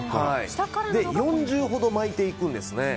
４重ほど巻いていくんですね。